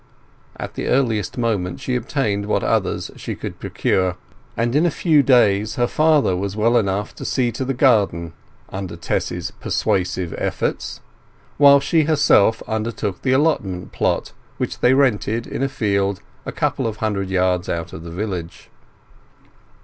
At the earliest moment she obtained what others she could procure, and in a few days her father was well enough to see to the garden, under Tess's persuasive efforts: while she herself undertook the allotment plot which they rented in a field a couple of hundred yards out of the village.